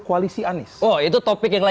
kembali ke kembali ke kembali ke kembali ke kembali